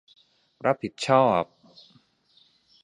รับผิดชอบ